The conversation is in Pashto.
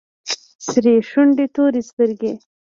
سرې شونډې تورې سترگې.